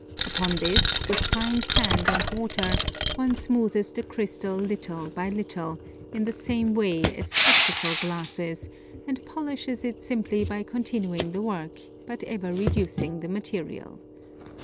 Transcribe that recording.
Upon this, with fine sand and water, one smoothes the crystal little by little, in the same way as spectacle glasses, and polishes it simply by continuing the work, but ever reducing the material.